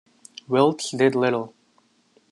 Wilkes did little.